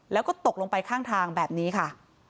แล้วก็ตกลงไปข้างทางแบบนี้ค่ะ